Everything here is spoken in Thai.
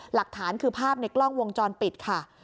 หลักฐานคือภาพในกล้องวงจรปิดค่ะ